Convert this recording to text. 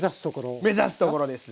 目指すところです。